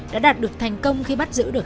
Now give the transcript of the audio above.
đã đạt được thành công khi bắt giữ được